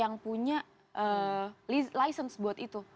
yang punya license buat itu